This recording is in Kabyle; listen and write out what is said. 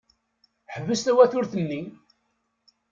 Ḥbes tawaturt-nni!